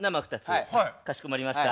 かしこまりました。